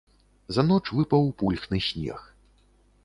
За ноч выпаў пульхны снег.